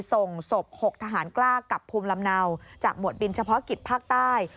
ส่งศพ๖ทหารกล้ากลับภูมิลำเนาจากหมวดบินเฉพาะกิจภาคใต้